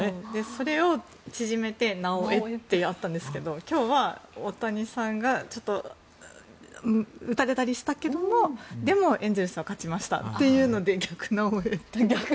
それを縮めて「なおエ」ってあったんですが今日は大谷さんがちょっと打たれたりしたけどもでも、エンゼルスは勝ちましたというので逆「なおエ」って。